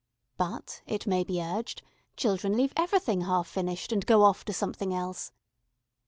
But, it may be urged, children leave everything half finished, and go off to something else.